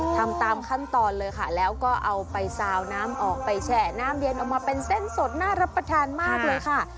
ทำตามขั้นตอนเลยค่ะแล้วก็เอาไปซาวน้ำออกไปแฉะน้ำเย็นออกมาเป็นเส้นสดน่ารับประทานมากเลยค่ะ